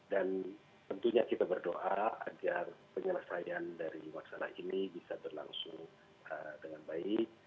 dan tentunya kita berdoa agar penyelesaian dari wakil anak ini bisa berlangsung dengan baik